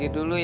ya udah bang